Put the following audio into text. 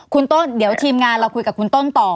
คุณต้นเดี๋ยวทีมงานเราคุยกับคุณต้นต่อ